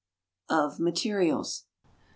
"Of Materials," p.